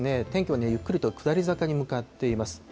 天気はゆっくりと下り坂に向かっています。